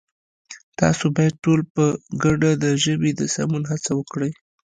تاسو بايد ټول په گډه د ژبې د سمون هڅه وکړئ!